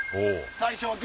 最初はグ！